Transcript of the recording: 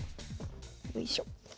よいしょ。